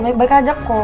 baik baik aja kok